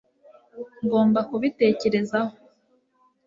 ngomba kubitekerezaho